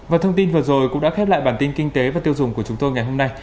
và thông tin vừa rồi cũng đã khép lại bản tin kinh tế và tiêu dùng của chúng tôi ngày hôm nay